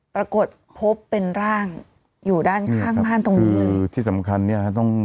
ปรากฏพบเป็นร่างอยู่ด้านข้างบ้านตรงนี้เลย